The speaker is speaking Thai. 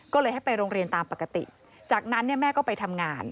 ก็เลยให้ไปโรงเรียนตามปกติจากนั้นแม่ก็ไปทำงาน